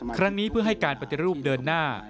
ครั้งนี้เพื่อให้การปฏิรูปเดินหน้า